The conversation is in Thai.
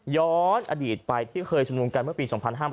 ย้อนอดีตไปที่เคยชุมนุมกันเมื่อปี๒๕๕๘